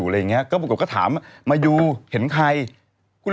เสร็จปุ๊บกลับมาที่บ้าน